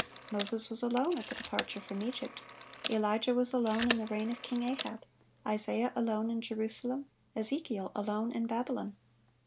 Moses was alone at the departure from Egypt; Elijah was alone in the reign of King Ahab; Isaiah alone in Jerusalem; Ezekiel alone in Babylon....